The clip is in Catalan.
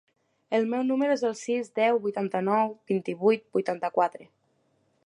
El meu número es el sis, deu, vuitanta-nou, vint-i-vuit, vuitanta-quatre.